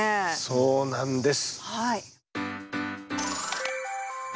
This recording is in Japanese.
そうなんです。